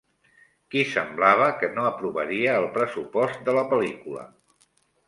Qui semblava que no aprovaria el pressupost de la pel·lícula?